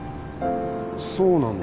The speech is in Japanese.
そうなんだ？